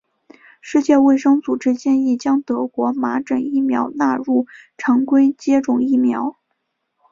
世界卫生组织建议将德国麻疹疫苗纳入常规接种疫苗。